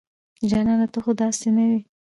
جانانه ته خو داسې نه وې